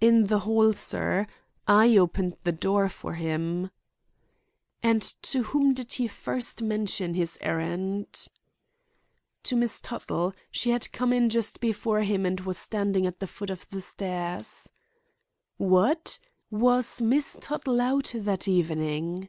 "In the hall, sir. I opened the door for him." "And to whom did he first mention his errand?" "To Miss Tuttle. She had come in just before him and was standing at the foot of the stairs." "What! Was Miss Tuttle out that evening?"